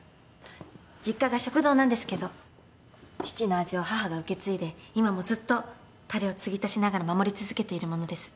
実家が食堂なんですけど父の味を母が受け継いで今もずっとたれを継ぎ足しながら守り続けているものです。